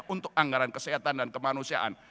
untuk anggaran kesehatan dan kemanusiaan